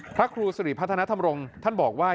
พระครูสิริพัฒนธรรมรงค์ท่านบอกว่า